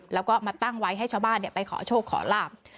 แล้วก็มาตั้งไว้ให้ชาวบ้านไปขอโชคขอลาบ